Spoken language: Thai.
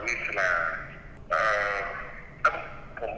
คุณพ่อได้จดหมายมาที่บ้าน